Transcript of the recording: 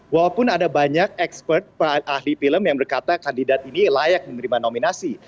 walaupun ada banyak expert ahli film yang berkata kandidat ini layak menerima nominasi